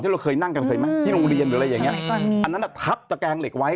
เราเคยนั่งกันเคยไหมที่โรงเรียนหรืออะไรอย่างเงี้ยอันนั้นทับตะแกงเหล็กไว้